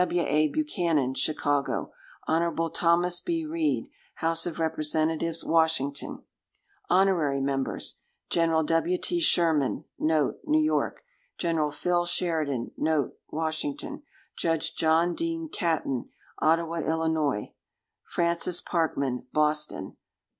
W. A. Buchanan, Chicago. Hon. Thomas B. Reed, House of Representatives, Washington. Honorary Members. Gen. W. T. Sherman,* New York. Gen. Phil Sheridan,* Washington. Judge John Dean Caton, Ottawa, Ill. Francis Parkman, Boston.